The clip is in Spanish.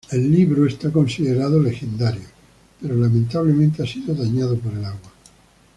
El libro se considera como legendario, pero lamentablemente ha sido dañado por el agua.